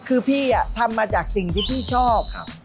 คือพี่ทำมาจากสิ่งที่พี่ชอบ